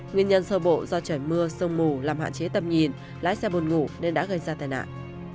nguyên nhân sơ bộ do trời mưa sương mù làm hạn chế tầm nhìn lái xe buồn ngủ nên đã gây ra tai nạn